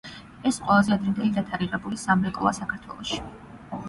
ეს ყველაზე ადრინდელი დათარიღებული სამრეკლოა საქართველოში.